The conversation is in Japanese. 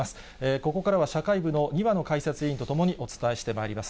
ここからは社会部の庭野解説委員と共にお伝えしてまいります。